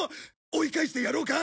追い返してやろうか？